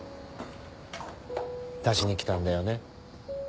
出しに来たんだよね。